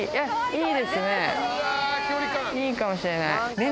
いいかもしれない。